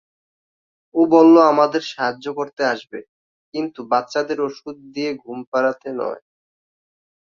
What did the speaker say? ও বলল আমাদের সাহায্য করতে আসবে, কিন্তু বাচ্চাদের ওষুধ দিয়ে ঘুম পাড়াতে নয়।